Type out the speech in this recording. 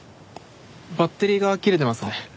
バッテリーが切れてますね。